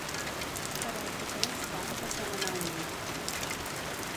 Però els diferents trams es van anar unint.